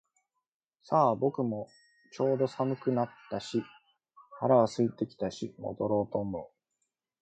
さあ、僕もちょうど寒くはなったし腹は空いてきたし戻ろうと思う